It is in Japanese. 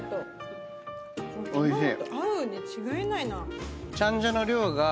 おいしい。